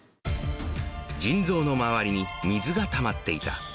腎臓の周りに水がたまっていた。